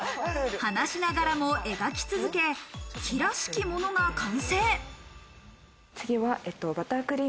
話しながらも描き続け、木らしきものが完成。